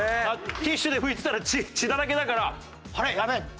ティッシュで拭いてたら血だらけだからあれやべえって。